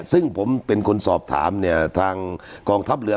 ซึ่งผมเป็นคนสอบถามกรองทัพเรือ